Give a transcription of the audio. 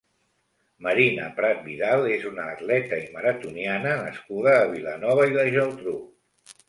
Marina Prat Vidal és una atleta i maratoniana nascuda a Vilanova i la Geltrú.